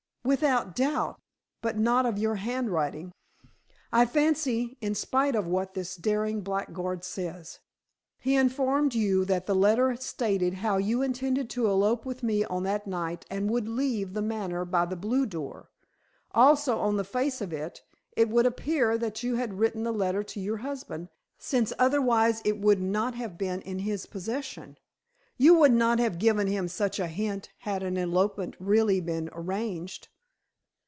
"Without doubt, but not of your handwriting, I fancy, in spite of what this daring blackguard says. He informed you that the letter stated how you intended to elope with me on that night, and would leave The Manor by the blue door. Also, on the face of it, it would appear that you had written the letter to your husband, since otherwise it would not have been in his possession. You would not have given him such a hint had an elopement really been arranged."